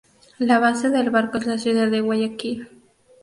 La base del barco es la ciudad de Guayaquil.